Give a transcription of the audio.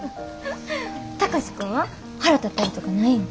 貴司君は腹立ったりとかないん？